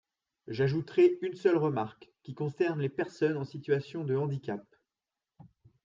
J’ajouterai une seule remarque, qui concerne les personnes en situation de handicap.